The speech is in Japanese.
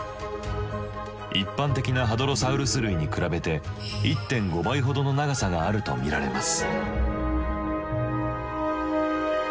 一般的なハドロサウルス類に比べて１．５倍ほどの長さがあると見られます。